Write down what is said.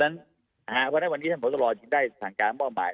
เพราะฉะนั้นวันนี้ท่านผลตรวจจึงได้สั่งการมอบหมาย